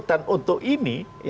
dan untuk ini